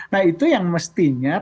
nah itu yang mestinya